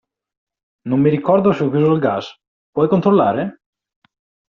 Non mi ricordo se ho chiuso il gas, puoi controllare?